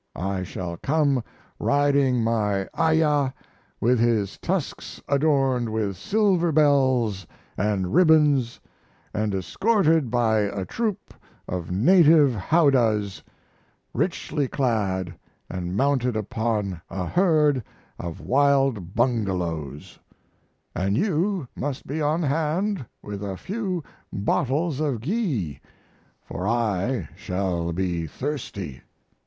I shall come riding my ayah with his tusks adorned with silver bells & ribbons & escorted by a troop of native howdahs richly clad & mounted upon a herd of wild bungalows; & you must be on hand with a few bottles of ghee, for I shall be thirsty.